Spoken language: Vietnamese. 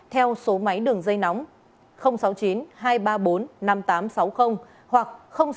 theo số máy đường dây nóng sáu mươi chín hai trăm ba mươi bốn năm nghìn tám trăm sáu mươi hoặc sáu mươi chín hai trăm ba mươi hai một nghìn sáu trăm bảy